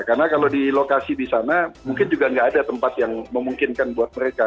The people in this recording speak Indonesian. karena kalau di lokasi di sana mungkin juga nggak ada tempat yang memungkinkan buat mereka